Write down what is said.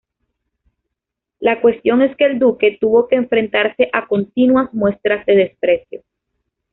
La cuestión es que el duque tuvo que enfrentarse a continuas muestras de desprecio.